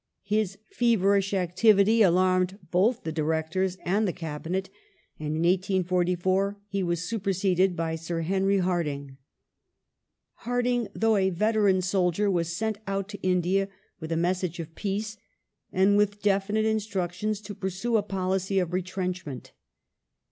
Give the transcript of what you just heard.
His feverish activity alarmed both the Directors and the Cabinet, and in 184^4 he was superseded by Sir Henry Hardinge. Hardinge, though a veteran soldier, was sent out to India with The first a message of peace, and with definite instructions to pui sue a policy ^i ^^' of retrenchment.